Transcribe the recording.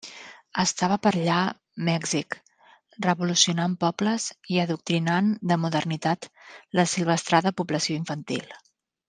Estava per allà Mèxic revolucionant pobles i adoctrinant de modernitat l'assilvestrada població infantil.